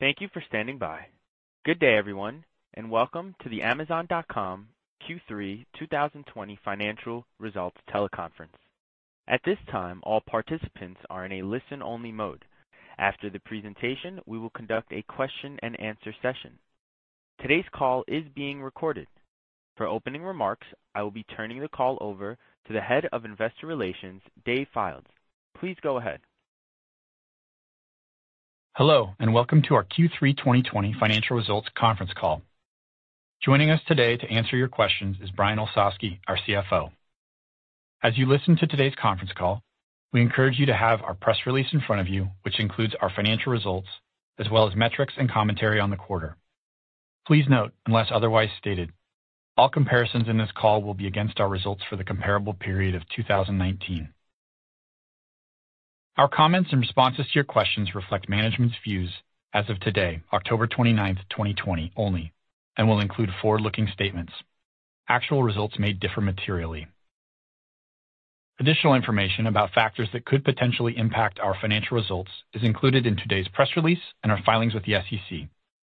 Thank you for standing by. Good day, everyone. Welcome to the Amazon.com Q3 2020 Financial Results teleconference. At this time, all participants are in a listen-only mode. After the presentation, we will conduct a question-and-answer session. Today's call is being recorded. For opening remarks, I will be turning the call over to the Head of Investor Relations, Dave Fildes. Please go ahead. Hello, and welcome to our Q3 2020 financial results conference call. Joining us today to answer your questions is Brian Olsavsky, our CFO. As you listen to today's conference call, we encourage you to have our press release in front of you, which includes our financial results as well as metrics and commentary on the quarter. Please note, unless otherwise stated, all comparisons in this call will be against our results for the comparable period of 2019. Our comments and responses to your questions reflect management's views as of today, October 29th, 2020, only, and will include forward-looking statements. Actual results may differ materially. Additional information about factors that could potentially impact our financial results is included in today's press release and our filings with the SEC,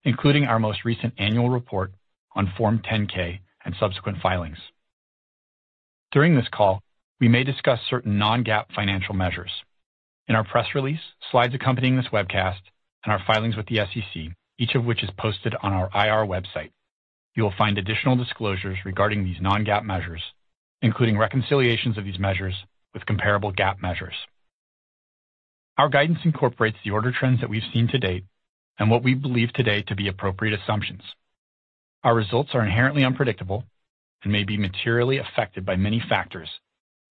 including our most recent annual report on Form 10-K and subsequent filings. During this call, we may discuss certain non-GAAP financial measures. In our press release, slides accompanying this webcast, and our filings with the SEC, each of which is posted on our IR website, you will find additional disclosures regarding these non-GAAP measures, including reconciliations of these measures with comparable GAAP measures. Our guidance incorporates the order trends that we've seen to date and what we believe today to be appropriate assumptions. Our results are inherently unpredictable and may be materially affected by many factors,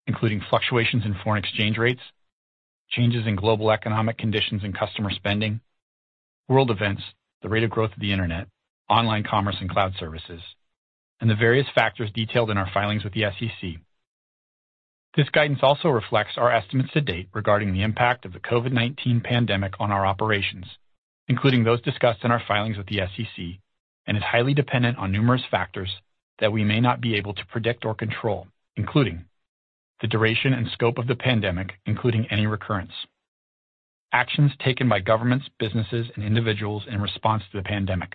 including fluctuations in foreign exchange rates, changes in global economic conditions and customer spending, world events, the rate of growth of the internet, online commerce and cloud services, and the various factors detailed in our filings with the SEC. This guidance also reflects our estimates to date regarding the impact of the COVID-19 pandemic on our operations, including those discussed in our filings with the SEC, and is highly dependent on numerous factors that we may not be able to predict or control, including the duration and scope of the pandemic, including any recurrence, actions taken by governments, businesses, and individuals in response to the pandemic,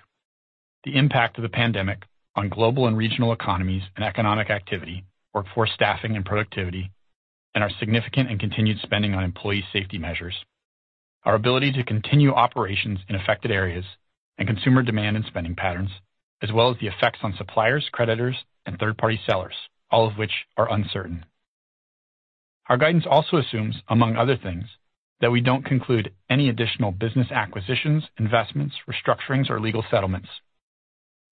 the impact of the pandemic on global and regional economies and economic activity, workforce staffing and productivity, and our significant and continued spending on employee safety measures, our ability to continue operations in affected areas, and consumer demand and spending patterns, as well as the effects on suppliers, creditors, and third-party sellers, all of which are uncertain. Our guidance also assumes, among other things, that we don't conclude any additional business acquisitions, investments, restructurings, or legal settlements.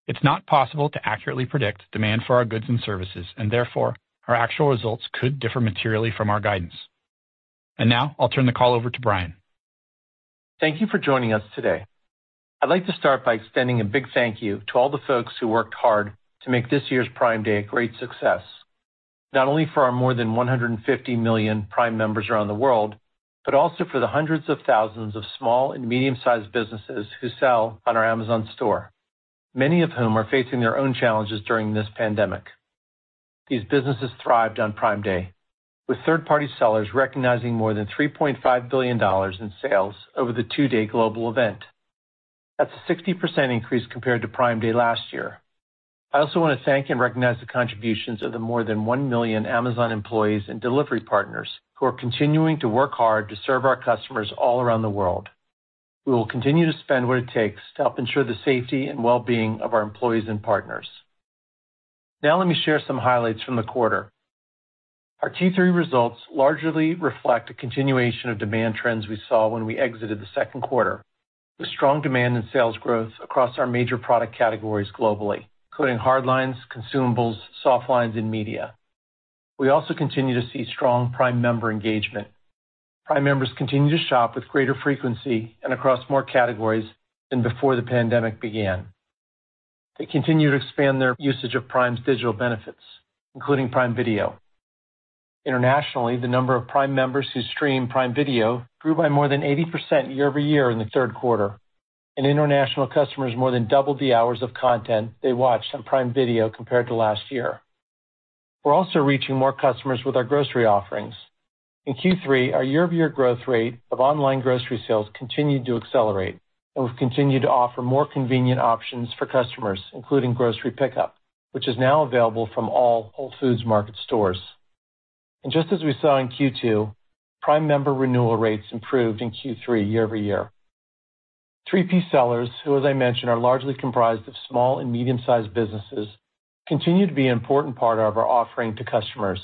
It's not possible to accurately predict demand for our goods and services, and therefore, our actual results could differ materially from our guidance. Now I'll turn the call over to Brian. Thank you for joining us today. I'd like to start by extending a big thank you to all the folks who worked hard to make this year's Prime Day a great success, not only for our more than 150 million Prime members around the world, but also for the hundreds of thousands of small and medium-sized businesses who sell on our Amazon store, many of whom are facing their own challenges during this pandemic. These businesses thrived on Prime Day, with third-party sellers recognizing more than $3.5 billion in sales over the two-day global event. That's a 60% increase compared to Prime Day last year. I also want to thank and recognize the contributions of the more than 1 million Amazon employees and delivery partners who are continuing to work hard to serve our customers all around the world. We will continue to spend what it takes to help ensure the safety and well-being of our employees and partners. Now let me share some highlights from the quarter. Our Q3 results largely reflect a continuation of demand trends we saw when we exited the second quarter, with strong demand and sales growth across our major product categories globally, including hardlines, consumables, softlines, and media. We also continue to see strong Prime member engagement. Prime members continue to shop with greater frequency and across more categories than before the pandemic began. They continue to expand their usage of Prime's digital benefits, including Prime Video. Internationally, the number of Prime members who stream Prime Video grew by more than 80% year-over-year in the third quarter, and international customers more than doubled the hours of content they watched on Prime Video compared to last year. We're also reaching more customers with our grocery offerings. In Q3, our year-over-year growth rate of online grocery sales continued to accelerate, and we've continued to offer more convenient options for customers, including grocery pickup, which is now available from all Whole Foods Market stores. Just as we saw in Q2, Prime member renewal rates improved in Q3 year-over-year. 3P sellers, who as I mentioned, are largely comprised of small and medium-sized businesses, continue to be an important part of our offering to customers.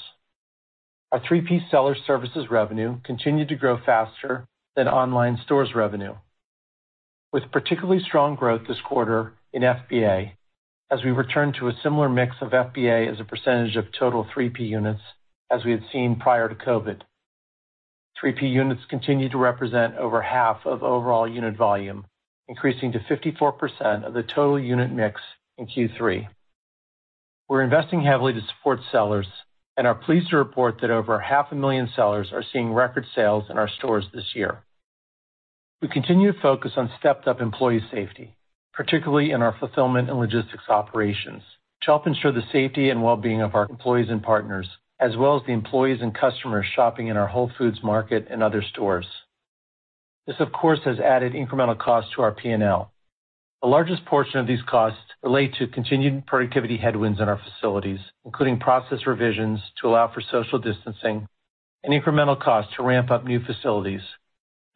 Our 3P seller services revenue continued to grow faster than online stores revenue. With particularly strong growth this quarter in FBA, as we return to a similar mix of FBA as a percentage of total 3P units as we had seen prior to COVID. 3P units continue to represent over half of overall unit volume, increasing to 54% of the total unit mix in Q3. We're investing heavily to support sellers and are pleased to report that over 500,000 sellers are seeing record sales in our stores this year. We continue to focus on stepped-up employee safety. Particularly in our fulfillment and logistics operations. To help ensure the safety and well-being of our employees and partners, as well as the employees and customers shopping in our Whole Foods Market and other stores. This, of course, has added incremental cost to our P&L. The largest portion of these costs relate to continued productivity headwinds in our facilities, including process revisions to allow for social distancing and incremental costs to ramp up new facilities,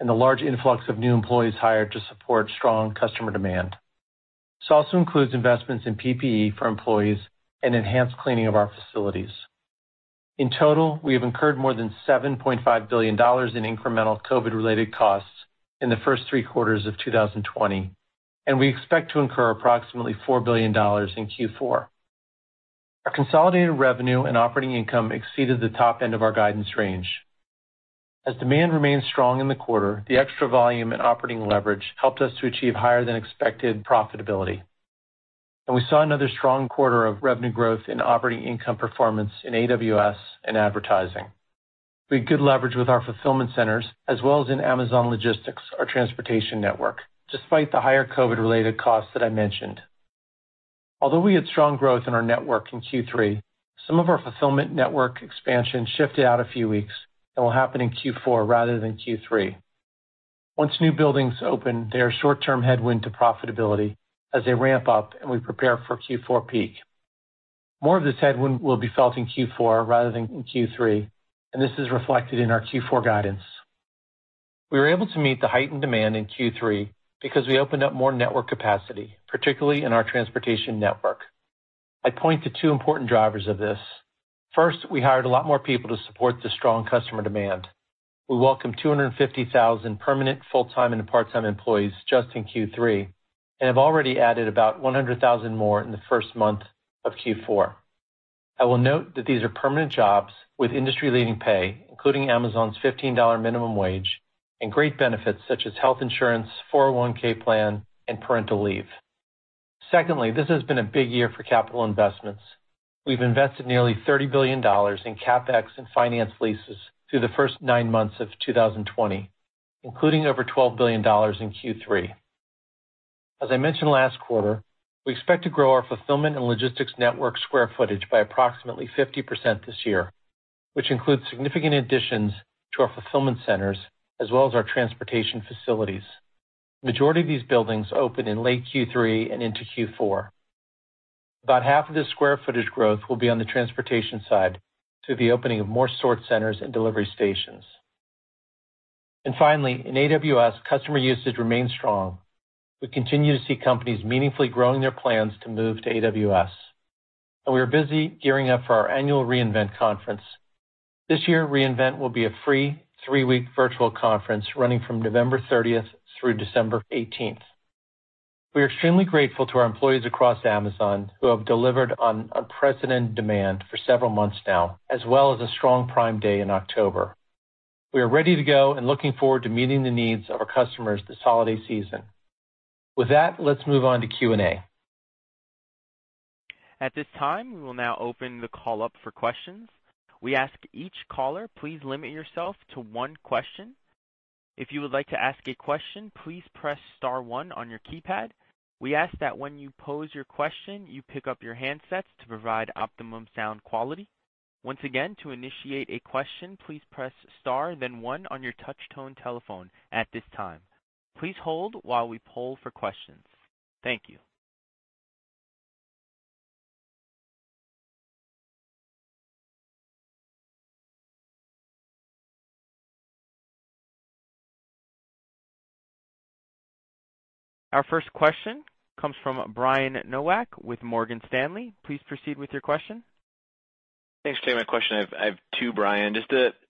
and the large influx of new employees hired to support strong customer demand. This also includes investments in PPE for employees and enhanced cleaning of our facilities. In total, we have incurred more than $7.5 billion in incremental COVID-related costs in the first three quarters of 2020, and we expect to incur approximately $4 billion in Q4. Our consolidated revenue and operating income exceeded the top end of our guidance range. As demand remained strong in the quarter, the extra volume and operating leverage helped us to achieve higher than expected profitability. We saw another strong quarter of revenue growth and operating income performance in AWS and advertising. We had good leverage with our fulfillment centers as well as in Amazon Logistics, our transportation network, despite the higher COVID-related costs that I mentioned. Although we had strong growth in our network in Q3, some of our fulfillment network expansion shifted out a few weeks and will happen in Q4 rather than Q3. Once new buildings open, they are a short-term headwind to profitability as they ramp up and we prepare for Q4 peak. More of this headwind will be felt in Q4 rather than in Q3, and this is reflected in our Q4 guidance. We were able to meet the heightened demand in Q3 because we opened up more network capacity, particularly in our transportation network. I point to two important drivers of this. First, we hired a lot more people to support the strong customer demand. We welcomed 250,000 permanent full-time and part-time employees just in Q3 and have already added about 100,000 more in the first month of Q4. I will note that these are permanent jobs with industry-leading pay, including Amazon's $15 minimum wage and great benefits such as health insurance, 401(k) plan, and parental leave. Secondly, this has been a big year for capital investments. We've invested nearly $30 billion in CapEx and finance leases through the first nine months of 2020, including over $12 billion in Q3. As I mentioned last quarter, we expect to grow our fulfillment and logistics network square footage by approximately 50% this year, which includes significant additions to our fulfillment centers as well as our transportation facilities. The majority of these buildings open in late Q3 and into Q4. About half of this square footage growth will be on the transportation side through the opening of more sort centers and delivery stations. Finally, in AWS, customer usage remains strong. We continue to see companies meaningfully growing their plans to move to AWS. We are busy gearing up for our annual re:Invent conference. This year, re:Invent will be a free three-week virtual conference running from November 30th through December 18th. We are extremely grateful to our employees across Amazon who have delivered on unprecedented demand for several months now, as well as a strong Prime Day in October. We are ready to go and looking forward to meeting the needs of our customers this holiday season. With that, let's move on to Q&A. At this time, we will now open the call up for questions. We ask each caller, please limit yourself to one question. If you would like to ask a question, please press star one on your keypad. We ask that when you pose your question, you pick up your handsets to provide optimum sound quality. Once again, to initiate a question, please press star then one on your touch-tone telephone at this time. Please hold while we poll for questions. Thank you. Our first question comes from Brian Nowak with Morgan Stanley. Please proceed with your question. Thanks, Jay. My question, I have two, Brian.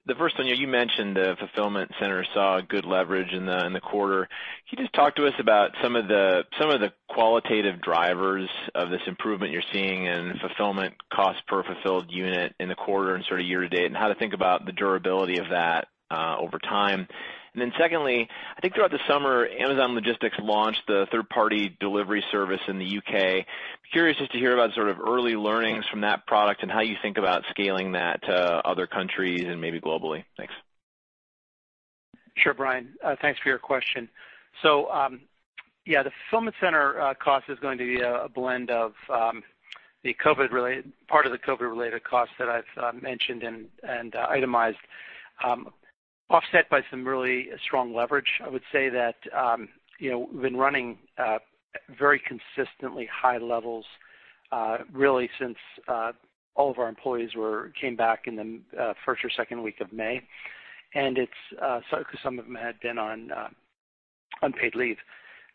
The first one, you mentioned the fulfillment center saw good leverage in the quarter. Can you just talk to us about some of the qualitative drivers of this improvement you're seeing in fulfillment cost per fulfilled unit in the quarter and sort of year-to-date, and how to think about the durability of that over time? Secondly, I think throughout the summer, Amazon Logistics launched the third-party delivery service in the U.K. Curious just to hear about sort of early learnings from that product and how you think about scaling that to other countries and maybe globally. Thanks. Sure, Brian. Thanks for your question. Yeah, the fulfillment center cost is going to be a blend of part of the COVID-19-related costs that I've mentioned and itemized, offset by some really strong leverage. I would say that we've been running at very consistently high levels, really since all of our employees came back in the first or second week of May. It's because some of them had been on unpaid leave.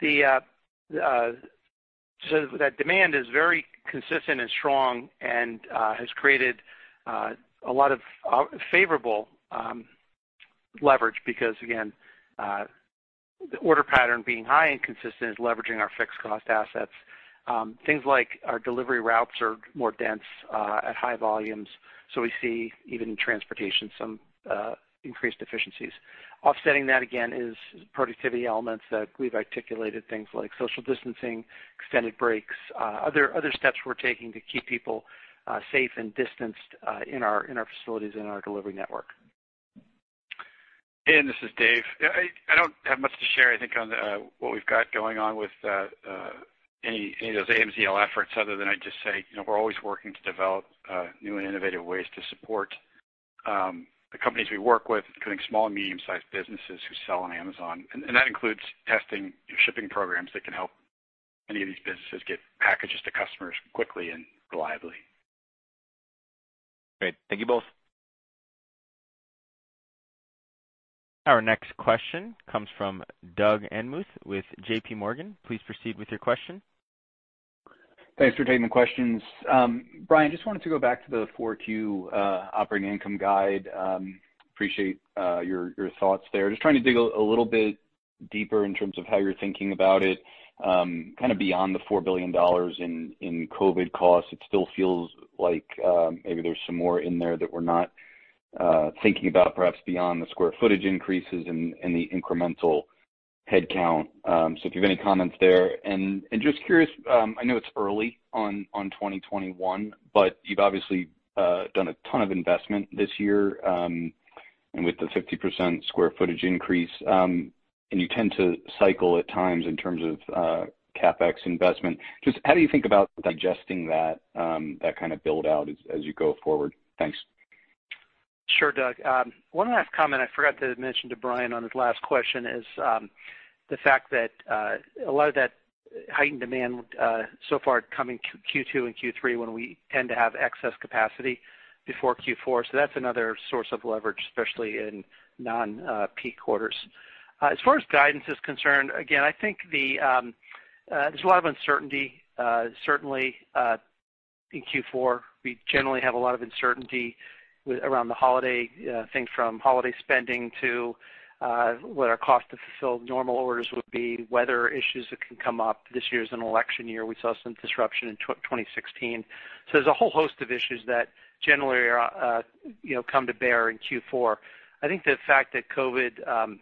That demand is very consistent and strong and has created a lot of favorable leverage because, again, the order pattern being high and consistent is leveraging our fixed cost assets. Things like our delivery routes are more dense at high volumes, we see, even in transportation, some increased efficiencies. Offsetting that again is productivity elements that we've articulated, things like social distancing, extended breaks, other steps we're taking to keep people safe and distanced in our facilities in our delivery network. This is Dave. Yeah, I don't have much to share, I think, on what we've got going on with any of those AMZL efforts other than I'd just say, we're always working to develop new and innovative ways to support the companies we work with, including small and medium-sized businesses who sell on Amazon. That includes testing shipping programs that can help any of these businesses get packages to customers quickly and reliably. Great. Thank you both. Our next question comes from Doug Anmuth with JPMorgan. Please proceed with your question. Thanks for taking the questions. Brian, wanted to go back to the 4Q operating income guide. Appreciate your thoughts there. Trying to dig a little bit deeper in terms of how you're thinking about it kind of beyond the $4 billion in COVID costs. It still feels like maybe there's some more in there that we're not thinking about, perhaps beyond the square footage increases and the incremental headcount. If you've any comments there. Curious, I know it's early on 2021, but you've obviously done a ton of investment this year, and with the 50% square footage increase. You tend to cycle at times in terms of CapEx investment. How do you think about digesting that kind of build-out as you go forward? Thanks. Sure, Doug. One last comment I forgot to mention to Brian on his last question is the fact that a lot of that heightened demand so far coming Q2 and Q3, when we tend to have excess capacity before Q4. That's another source of leverage, especially in non-peak quarters. As far as guidance is concerned, again, I think there's a lot of uncertainty. Certainly, in Q4, we generally have a lot of uncertainty around the holiday things, from holiday spending to what our cost to fulfill normal orders would be, weather issues that can come up. This year's an election year. We saw some disruption in 2016. There's a whole host of issues that generally come to bear in Q4. I think the fact that COVID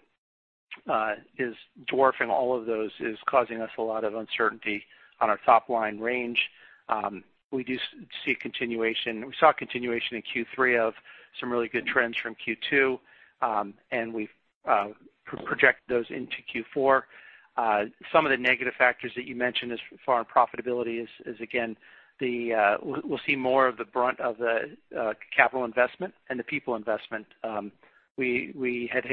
is dwarfing all of those is causing us a lot of uncertainty on our top-line range. We saw a continuation in Q3 of some really good trends from Q2. We project those into Q4. Some of the negative factors that you mentioned as far on profitability is, again, we'll see more of the brunt of the capital investment and the people investment. We had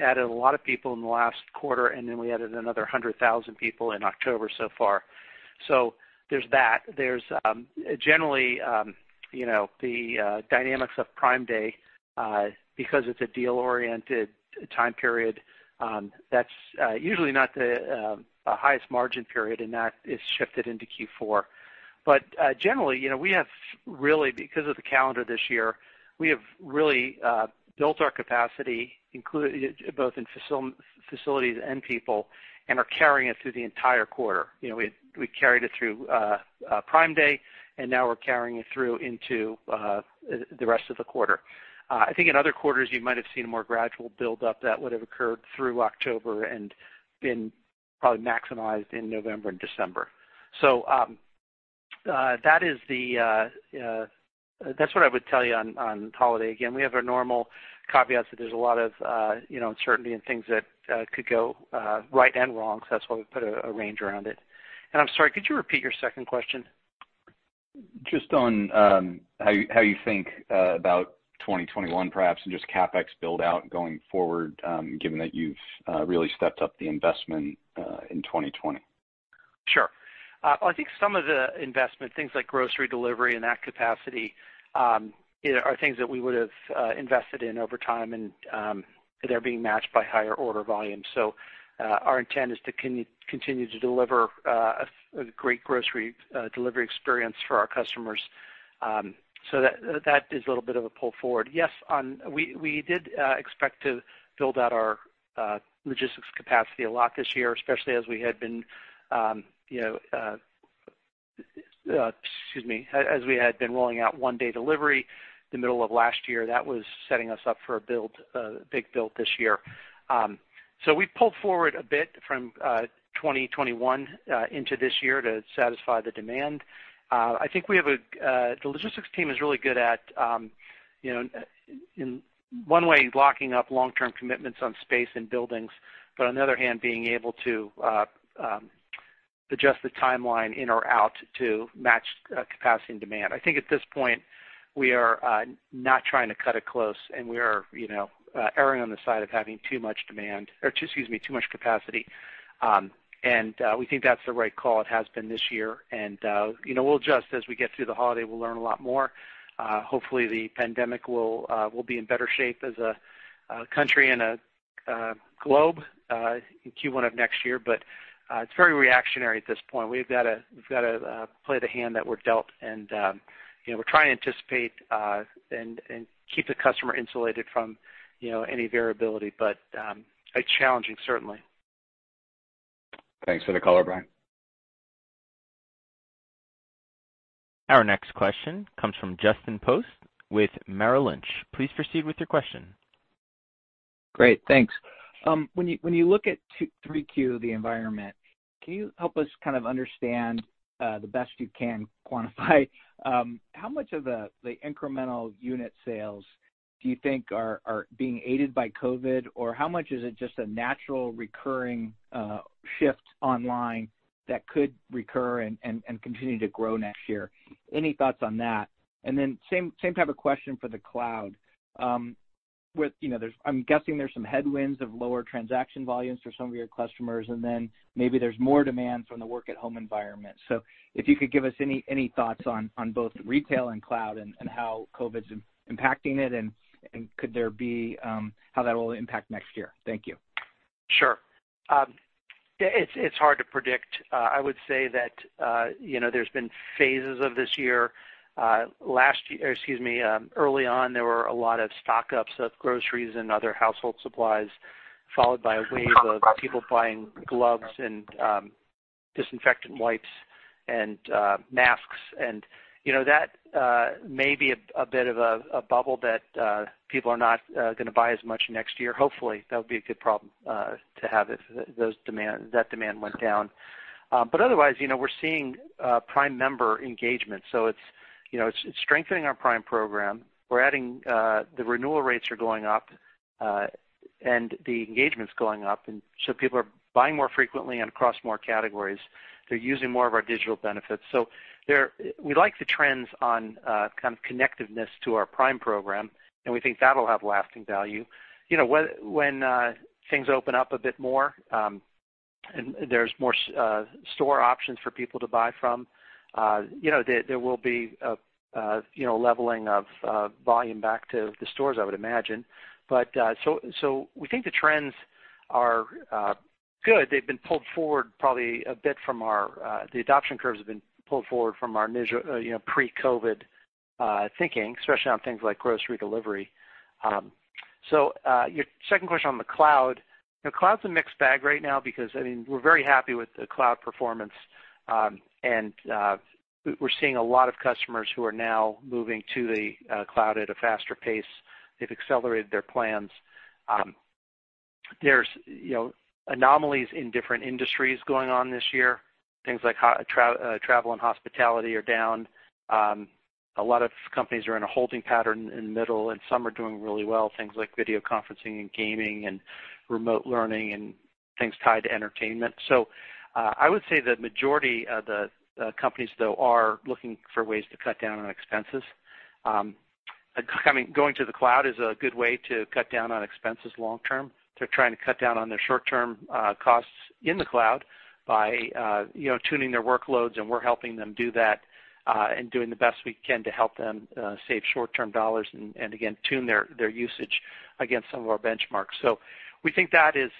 added a lot of people in the last quarter, we added another 100,000 people in October so far. There's that. There's generally the dynamics of Prime Day, because it's a deal-oriented time period. That's usually not the highest margin period, that is shifted into Q4. Generally, because of the calendar this year, we have really built our capacity, both in facilities and people, are carrying it through the entire quarter. We carried it through Prime Day, we're carrying it through into the rest of the quarter. I think in other quarters, you might have seen a more gradual buildup that would've occurred through October and been probably maximized in November and December. That's what I would tell you on holiday. Again, we have our normal caveats that there's a lot of uncertainty and things that could go right and wrong, so that's why we put a range around it. I'm sorry, could you repeat your second question? Just on how you think about 2021, perhaps, and just CapEx build-out going forward, given that you've really stepped up the investment in 2020. Sure. I think some of the investment, things like grocery delivery and that capacity, are things that we would've invested in over time, and they're being matched by higher order volume. Our intent is to continue to deliver a great grocery delivery experience for our customers. That is a little bit of a pull forward. Yes, we did expect to build out our logistics capacity a lot this year, especially as we had been rolling out one-day delivery the middle of last year. That was setting us up for a big build this year. We pulled forward a bit from 2021 into this year to satisfy the demand. I think the logistics team is really good at, in one way, locking up long-term commitments on space and buildings, but on the other hand, being able to adjust the timeline in or out to match capacity and demand. I think at this point, we are not trying to cut it close, and we are erring on the side of having too much demand, or excuse me, too much capacity. We think that's the right call. It has been this year. We'll adjust. As we get through the holiday, we'll learn a lot more. Hopefully, the pandemic will be in better shape as a country and a globe in Q1 of next year. It's very reactionary at this point. We've got to play the hand that we're dealt, and we're trying to anticipate and keep the customer insulated from any variability. It's challenging, certainly. Thanks for the color, Brian. Our next question comes from Justin Post with Merrill Lynch. Please proceed with your question. Great. Thanks. When you look at 3Q, the environment, can you help us understand the best you can quantify how much of the incremental unit sales do you think are being aided by COVID? How much is it just a natural recurring shift online that could recur and continue to grow next year? Any thoughts on that? Then same type of question for the cloud. I'm guessing there's some headwinds of lower transaction volumes for some of your customers, and then maybe there's more demand from the work-at-home environment. If you could give us any thoughts on both retail and cloud, and how COVID's impacting it, and how that will impact next year. Thank you. Sure. It's hard to predict. I would say that there's been phases of this year. Early on, there were a lot of stock-ups of groceries and other household supplies, followed by a wave of people buying gloves and disinfectant wipes and masks. That may be a bit of a bubble that people are not going to buy as much next year. Hopefully, that would be a good problem to have, if that demand went down. Otherwise, we're seeing Prime member engagement. It's strengthening our Prime program. The renewal rates are going up, and the engagement's going up, and so people are buying more frequently and across more categories. They're using more of our digital benefits. We like the trends on connectiveness to our Prime program, and we think that'll have lasting value. When things open up a bit more, and there's more store options for people to buy from, there will be a leveling of volume back to the stores, I would imagine. We think the trends are good. The adoption curves have been pulled forward from our pre-COVID-19 thinking, especially on things like grocery delivery. Your second question on the cloud. Cloud's a mixed bag right now because we're very happy with the cloud performance. We're seeing a lot of customers who are now moving to the cloud at a faster pace. They've accelerated their plans. There's anomalies in different industries going on this year. Things like travel and hospitality are down. A lot of companies are in a holding pattern in middle, and some are doing really well, things like video conferencing and gaming and remote learning and things tied to entertainment. I would say the majority of the companies, though, are looking for ways to cut down on expenses. Going to the cloud is a good way to cut down on expenses long term. They're trying to cut down on their short-term costs in the cloud by tuning their workloads, and we're helping them do that, and doing the best we can to help them save short-term dollars, and again, tune their usage against some of our benchmarks. We think that is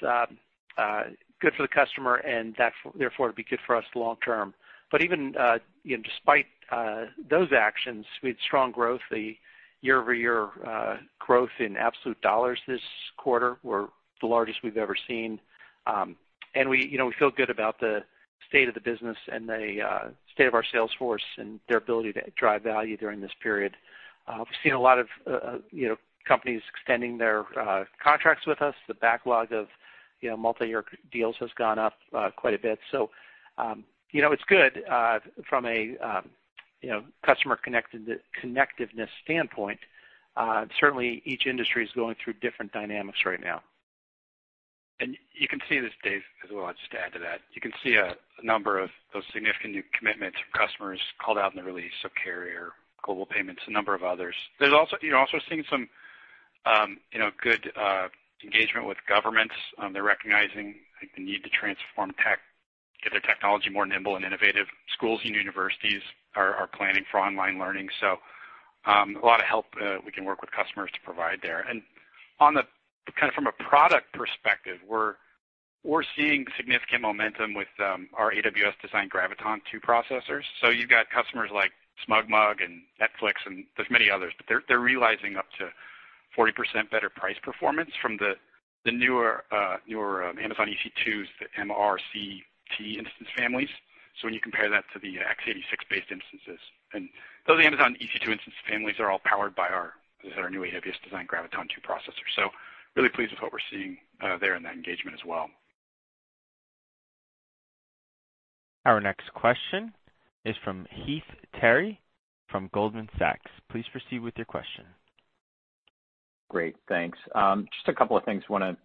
good for the customer, and therefore, it'd be good for us long term. Even despite those actions, we had strong growth. The year-over-year growth in absolute dollars this quarter were the largest we've ever seen. We feel good about the state of the business and the state of our sales force and their ability to drive value during this period. We've seen a lot of companies extending their contracts with us. The backlog of multi-year deals has gone up quite a bit. It's good from a customer connectiveness standpoint. Certainly, each industry is going through different dynamics right now. You can see this, Dave, as well. I'll just add to that. You can see a number of those significant new commitments from customers called out in the release of Carrier, Global Payments, a number of others. You're also seeing some good engagement with governments. They're recognizing the need to transform tech, get their technology more nimble and innovative. Schools and universities are planning for online learning. A lot of help we can work with customers to provide there. From a product perspective, we're seeing significant momentum with our AWS-designed Graviton2 processors. You've got customers like SmugMug and Netflix, and there's many others, but they're realizing up to 40% better price performance from the newer Amazon EC2's M, R, C, T instance families. When you compare that to the x86-based instances. Those Amazon EC2 instance families are all powered by our new AWS-designed Graviton2 processor. Really pleased with what we're seeing there in that engagement as well. Our next question is from Heath Terry from Goldman Sachs. Please proceed with your question. Great, thanks. Just a couple of things, kind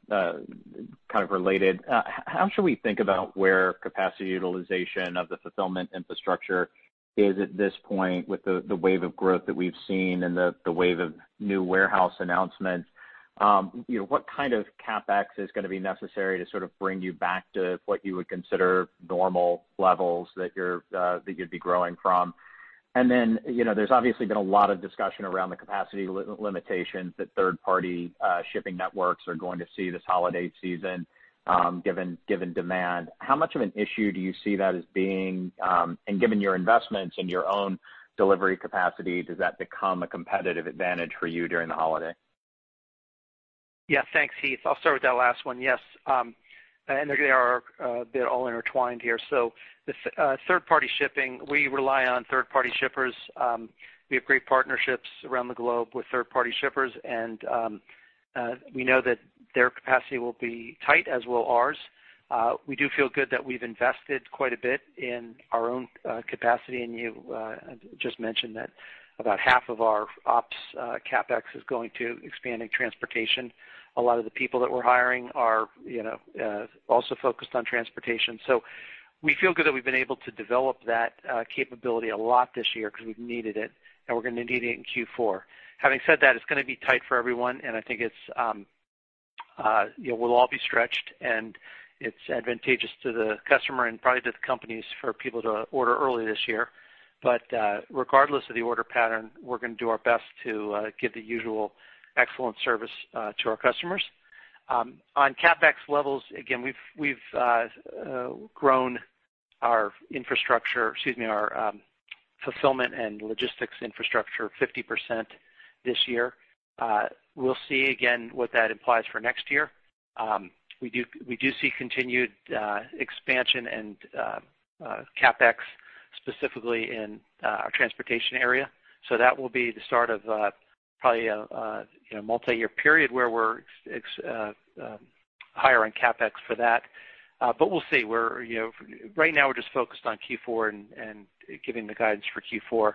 of related. How should we think about where capacity utilization of the fulfillment infrastructure is at this point with the wave of growth that we've seen and the wave of new warehouse announcements? What kind of CapEx is going to be necessary to sort of bring you back to what you would consider normal levels that you'd be growing from? There's obviously been a lot of discussion around the capacity limitations that third-party shipping networks are going to see this holiday season, given demand. How much of an issue do you see that as being, and given your investments in your own delivery capacity, does that become a competitive advantage for you during the holiday? Thanks, Heath. I'll start with that last one. Yes. They are a bit all intertwined here. Third-party shipping, we rely on third-party shippers. We have great partnerships around the globe with third-party shippers. We know that their capacity will be tight, as will ours. We do feel good that we've invested quite a bit in our own capacity. You just mentioned that about half of our ops CapEx is going to expanding transportation. A lot of the people that we're hiring are also focused on transportation. We feel good that we've been able to develop that capability a lot this year because we've needed it. We're going to need it in Q4. Having said that, it's going to be tight for everyone, and I think we'll all be stretched, and it's advantageous to the customer and probably to the companies for people to order early this year. Regardless of the order pattern, we're going to do our best to give the usual excellent service to our customers. On CapEx levels, again, we've grown our fulfillment and logistics infrastructure 50% this year. We'll see again what that implies for next year. We do see continued expansion and CapEx specifically in our transportation area. That will be the start of probably a multi-year period where we're higher on CapEx for that. We'll see. Right now we're just focused on Q4 and giving the guidance for Q4.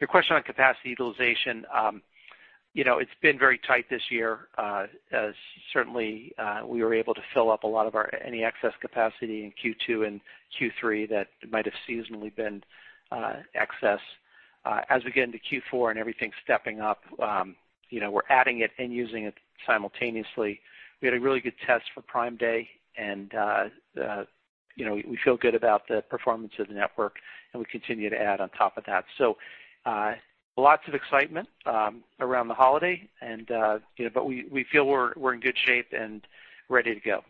Your question on capacity utilization. It's been very tight this year. Certainly, we were able to fill up any excess capacity in Q2 and Q3 that might have seasonally been excess. As we get into Q4 and everything stepping up, we're adding it and using it simultaneously. We had a really good test for Prime Day, and we feel good about the performance of the network, and we continue to add on top of that. Lots of excitement around the holiday, but we feel we're in good shape and ready to go.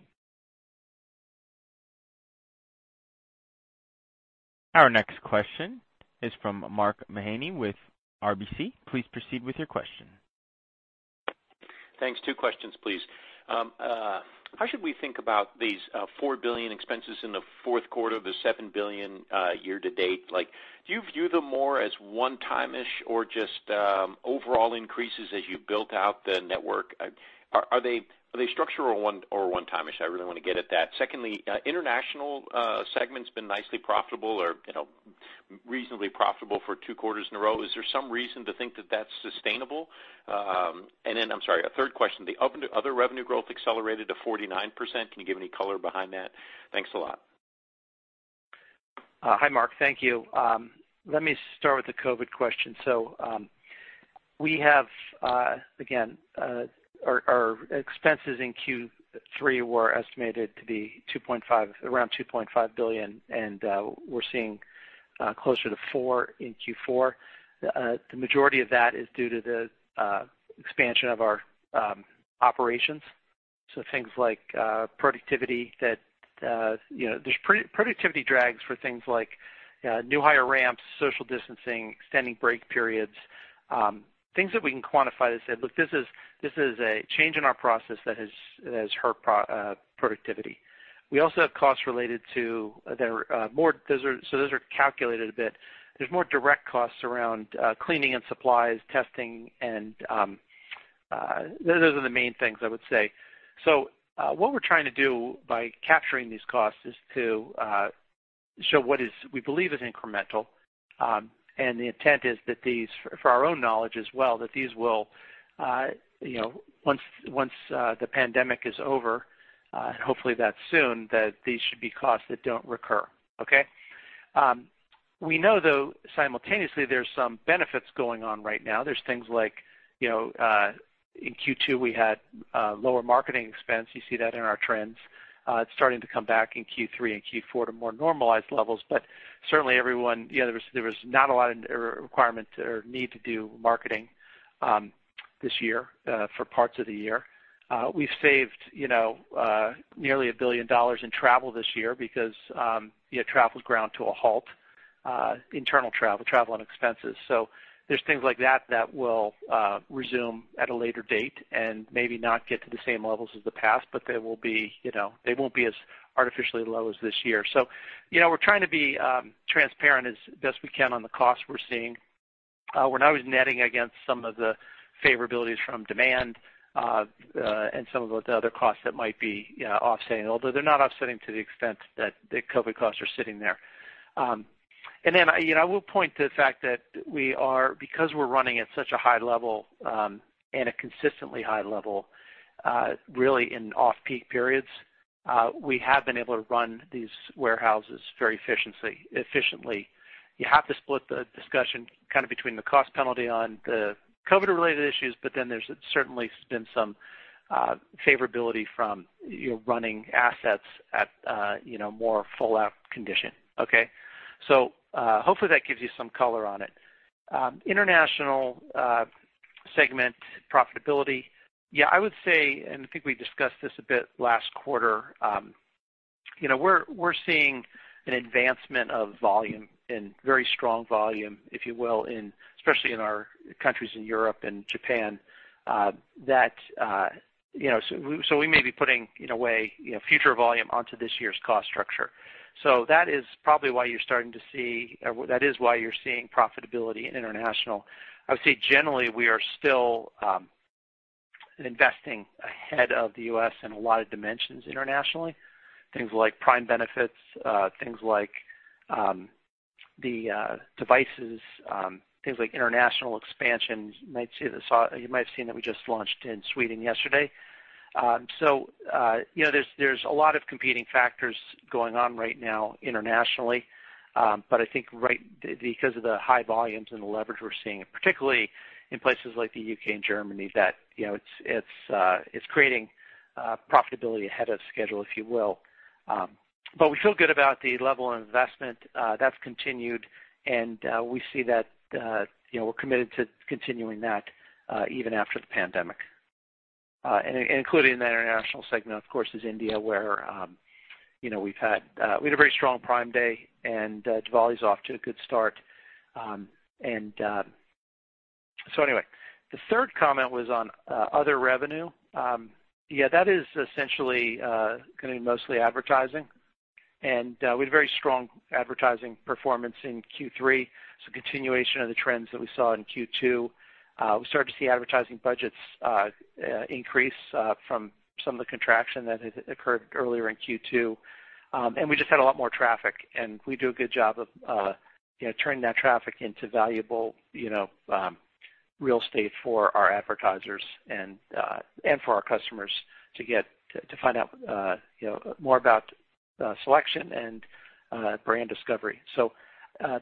Our next question is from Mark Mahaney with RBC. Please proceed with your question. Thanks. Two questions, please. How should we think about these $4 billion expenses in the fourth quarter of the $7 billion year to date? Do you view them more as one-time-ish or just overall increases as you built out the network? Are they structural or one-time-ish? I really want to get at that. Secondly, international segment's been nicely profitable or reasonably profitable for two quarters in a row. Is there some reason to think that that's sustainable? I'm sorry, a third question. The other revenue growth accelerated to 49%. Can you give any color behind that? Thanks a lot. Hi, Mark. Thank you. Let me start with the COVID question. We have, again, our expenses in Q3 were estimated to be around $2.5 billion, and we're seeing closer to $4 in Q4. The majority of that is due to the expansion of our operations. Things like productivity that, there's productivity drags for things like new hire ramps, social distancing, extending break periods, things that we can quantify that say, look, this is a change in our process that has hurt productivity. We also have costs related to, those are calculated a bit. There's more direct costs around cleaning and supplies, testing, and those are the main things I would say. What we're trying to do by capturing these costs is to show what we believe is incremental. The intent is that these, for our own knowledge as well, that these will, once the pandemic is over, and hopefully that's soon, that these should be costs that don't recur. Okay. We know, though, simultaneously, there's some benefits going on right now. There's things like, in Q2, we had lower marketing expense. You see that in our trends. It's starting to come back in Q3 and Q4 to more normalized levels. Certainly everyone, there was not a lot of requirement or need to do marketing this year for parts of the year. We've saved nearly $1 billion in travel this year because travel's ground to a halt, internal travel and expenses. There's things like that that will resume at a later date and maybe not get to the same levels as the past, but they won't be as artificially low as this year. We're trying to be transparent as best we can on the costs we're seeing. We're not always netting against some of the favorabilities from demand and some of the other costs that might be offsetting, although they're not offsetting to the extent that the COVID-19 costs are sitting there. Then, I will point to the fact that because we're running at such a high level, and a consistently high level, really in off-peak periods, we have been able to run these warehouses very efficiently. You have to split the discussion kind of between the cost penalty on the COVID-19-related issues, but then there's certainly been some favorability from running assets at more full out condition. Okay? Hopefully that gives you some color on it. International segment profitability. I would say, and I think we discussed this a bit last quarter. We're seeing an advancement of volume and very strong volume, if you will, especially in our countries in Europe and Japan. We may be putting in a way future volume onto this year's cost structure. That is why you're seeing profitability in international. I would say generally, we are still investing ahead of the U.S. in a lot of dimensions internationally. Things like Prime benefits, things like the devices, things like international expansion. You might have seen that we just launched in Sweden yesterday. There's a lot of competing factors going on right now internationally. I think because of the high volumes and the leverage we're seeing, particularly in places like the U.K. and Germany, that it's creating profitability ahead of schedule, if you will. We feel good about the level of investment that's continued, and we see that we're committed to continuing that even after the pandemic. Included in the international segment, of course, is India, where we had a very strong Prime Day, and Diwali's off to a good start. Anyway, the third comment was on other revenue. Yeah, that is essentially going to be mostly advertising. We had very strong advertising performance in Q3, so continuation of the trends that we saw in Q2. We started to see advertising budgets increase from some of the contraction that had occurred earlier in Q2. We just had a lot more traffic, and we do a good job of turning that traffic into valuable real estate for our advertisers and for our customers to find out more about selection and brand discovery.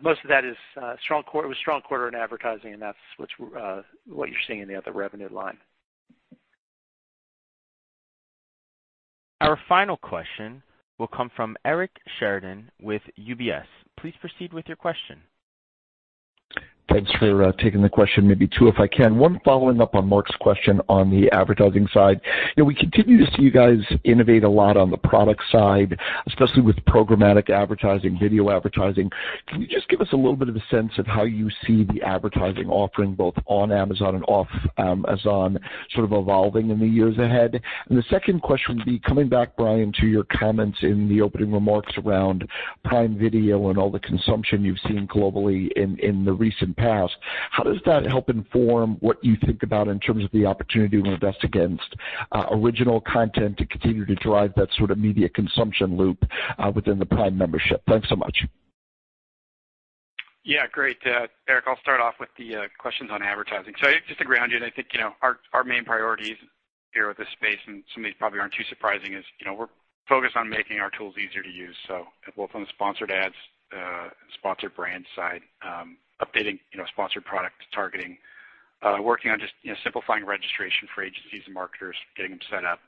Most of that is it was a strong quarter in advertising, and that's what you're seeing in the other revenue line. Our final question will come from Eric Sheridan with UBS. Please proceed with your question. Thanks for taking the question. Maybe two, if I can. One following up on Mark's question on the advertising side. We continue to see you guys innovate a lot on the product side, especially with programmatic advertising, video advertising. Can you just give us a little bit of a sense of how you see the advertising offering both on Amazon and off Amazon sort of evolving in the years ahead? The second question would be coming back, Brian, to your comments in the opening remarks around Prime Video and all the consumption you've seen globally in the recent past. How does that help inform what you think about in terms of the opportunity to invest against original content to continue to drive that sort of media consumption loop within the Prime membership? Thanks so much. Yeah, great. Eric, I'll start off with the questions on advertising. Just to ground you, I think our main priorities here with this space, and some of these probably aren't too surprising, is we're focused on making our tools easier to use. Both on the sponsored ads and sponsored brand side, updating sponsored product targeting, working on just simplifying registration for agencies and marketers, getting them set up.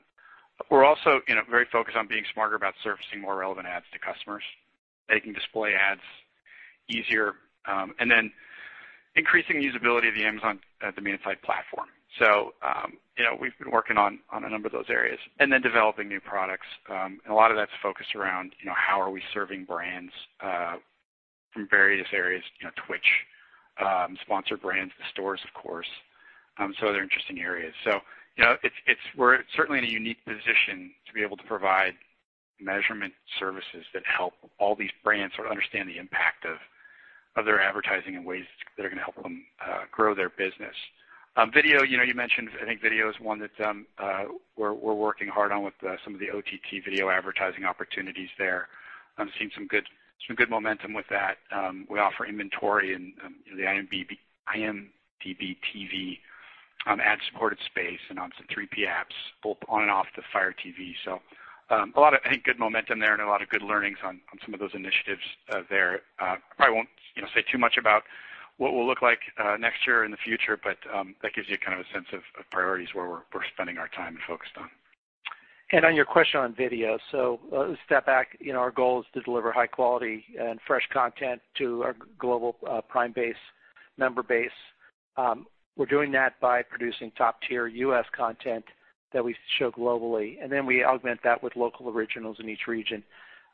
We're also very focused on being smarter about surfacing more relevant ads to customers, making display ads easier, and then increasing the usability of the Amazon, the main site platform. We've been working on a number of those areas. Developing new products. A lot of that's focused around how are we serving brands from various areas, Twitch, sponsored brands, the stores, of course, some other interesting areas. We're certainly in a unique position to be able to provide measurement services that help all these brands sort of understand the impact of their advertising in ways that are going to help them grow their business. Video, you mentioned, I think Video is one that we're working hard on with some of the OTT video advertising opportunities there. I'm seeing some good momentum with that. We offer inventory in the IMDb TV ad-supported space and obviously 3P apps both on and off the Fire TV. A lot of good momentum there and a lot of good learnings on some of those initiatives there. I probably won't say too much about what we'll look like next year in the future, but that gives you a sense of priorities where we're spending our time and focused on. On your question on Video. Let me step back. Our goal is to deliver high quality and fresh content to our global Prime base, member base. We're doing that by producing top-tier U.S. content that we show globally, and then we augment that with local originals in each region.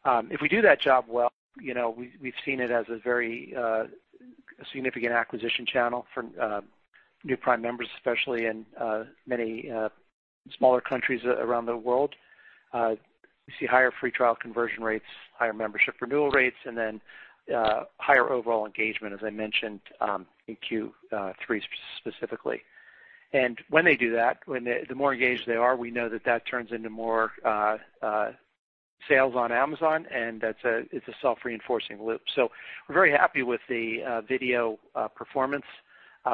If we do that job well, we've seen it as a very significant acquisition channel for new Prime members, especially in many smaller countries around the world. We see higher free trial conversion rates, higher membership renewal rates, and then higher overall engagement, as I mentioned, in Q3 specifically. When they do that, the more engaged they are, we know that that turns into more sales on Amazon, and it's a self-reinforcing loop. We're very happy with the video performance,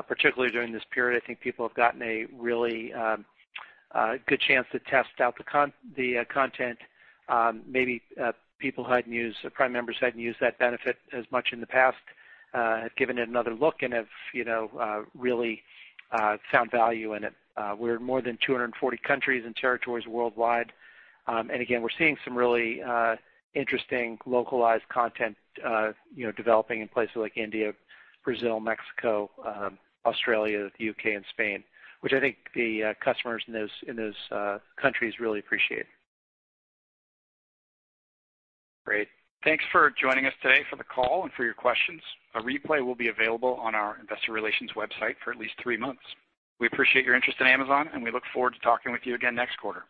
particularly during this period. I think people have gotten a really good chance to test out the content. Maybe Prime members who hadn't used that benefit as much in the past have given it another look and have really found value in it. We're in more than 240 countries and territories worldwide. Again, we're seeing some really interesting localized content developing in places like India, Brazil, Mexico, Australia, the U.K., and Spain, which I think the customers in those countries really appreciate. Great. Thanks for joining us today for the call and for your questions. A replay will be available on our investor relations website for at least three months. We appreciate your interest in Amazon, and we look forward to talking with you again next quarter.